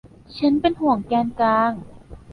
ฉันเป็นห่วงแกนกลาง